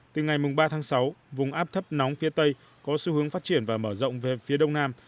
từ ngày ba tháng sáu vùng áp thấp nóng phía tây có xu hướng phát triển và mở rộng về phía đông nam